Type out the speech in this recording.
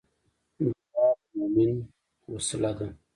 دعا د مومن وسله ده